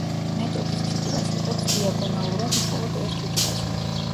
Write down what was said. მეტოქის ფიგურას იღებს დიაგონალურად მხოლოდ ერთ უჯრაზე.